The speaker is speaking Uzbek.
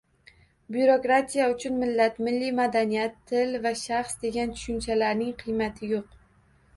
Byurokratiya uchun millat, milliy madaniyat, til va shaxs degan tushunchalarning qiymati yo‘q